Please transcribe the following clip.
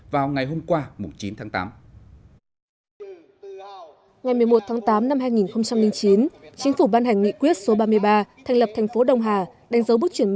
vào ngày hôm qua chín tháng tám